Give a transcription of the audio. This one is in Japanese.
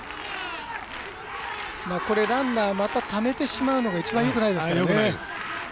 ランナーまたためてしまうのが一番よくないですからね。